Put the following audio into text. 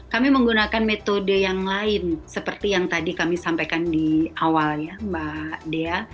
kami menggunakan metode yang lain seperti yang tadi kami sampaikan di awal ya mbak dea